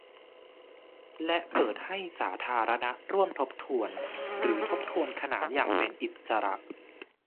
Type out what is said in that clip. และเปิดให้สาธารณะร่วมทบทวนหรือทบทวนขนานอย่างเป็นอิสระ